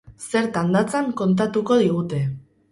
Zertan datzan kontatuko digute.